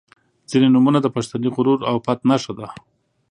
• ځینې نومونه د پښتني غرور او پت نښه ده.